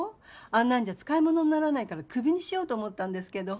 あんなんじゃ使いものにならないからクビにしようと思ったんですけど。